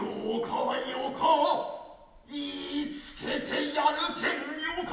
いいつけてやるけんよか。